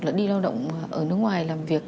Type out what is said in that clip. là đi lao động ở nước ngoài làm việc